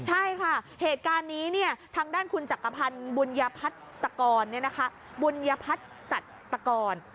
ใช่ค่ะเหตุการณ์นี้ทางด้านคุณจักรพรรณบุญพัฒนศัตริกร